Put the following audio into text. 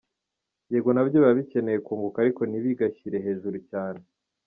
Yego na byo biba bikeneye kunguka ariko ntibigashyire hejuru cyane.